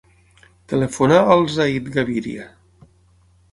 Telefona al Zayd Gaviria.